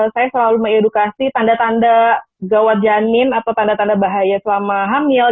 saya selalu mengedukasi tanda tanda gawat janin atau tanda tanda bahaya selama hamil